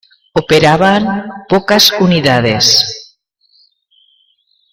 Operaban pocas unidades.